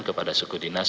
kepada suku dinas